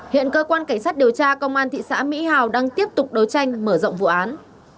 hiện cơ quan cảnh sát điều tra công an thị xã mỹ hào đang tiếp tục đấu tranh mở rộng vụ án